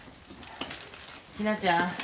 ひなちゃん